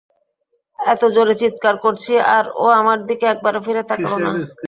এত জোরে চিৎকার করছি আর ও আমার দিকে একবারও ফিরে তাকাল না।